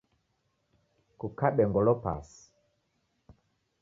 Kukabe ngolo pasi